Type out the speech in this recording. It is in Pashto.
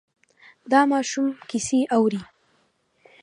دا ماشوم کیسه اوري.